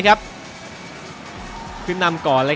สนามโรงเรียนสมุทรสาคอนวุฒิชัย